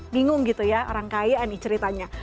bingung gitu ya orang kaya nih ceritanya